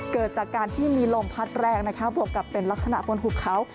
เกิดจากการที่มีลมพัดแรงนะคะบวกกับเป็นลักษณะบนหุบเขา